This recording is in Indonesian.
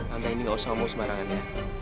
tante ini tidak usah omong semarangan ya